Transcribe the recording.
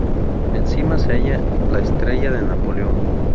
Encima se halla la estrella de Napoleón.